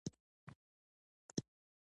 د کابل ارګ د ملت سیاسي تاریخ ژوندی ساتي.